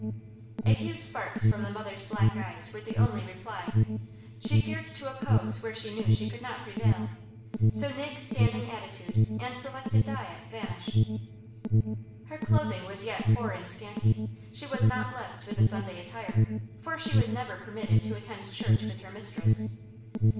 A few sparks from the mother's black eyes were the only reply; she feared to oppose where she knew she could not prevail. So Nig's standing attitude, and selected diet vanished. Her clothing was yet poor and scanty; she was not blessed with a Sunday attire; for she was never permitted to attend church with her mistress.